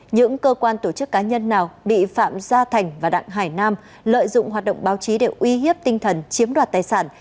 những cơ quan tổ chức cá nhân nào bị phạm gia thành và đảng hải nam lợi dụng hoạt động báo chí để uy hiếp tinh thần chiếm đoạt tài sản